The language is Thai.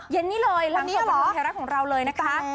เย็นนี่เลยหลังส่วนประโยชน์แท้รักของเราเลยนะคะ